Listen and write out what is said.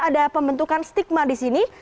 ada pembentukan stigma di sini